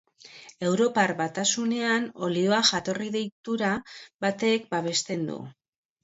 Europar Batasunean olioa jatorri deitura batek babesten du.